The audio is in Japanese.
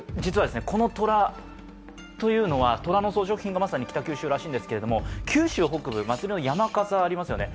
この虎というのは虎の装飾品がまさに北九州らしいんですけど九州北部、祭りの山笠がありますよね。